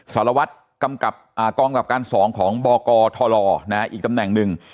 สารวัติกำกับอ่ากองกับการสองของบกทลนะฮะอีกตำแหน่งหนึ่ง